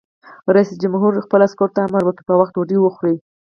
رئیس جمهور خپلو عسکرو ته امر وکړ؛ په وخت ډوډۍ وخورئ!